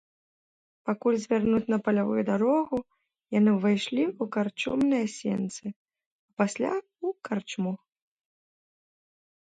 Пакуль звярнуць на палявую дарогу, яны ўвайшлі ў карчомныя сенцы, а пасля ў карчму.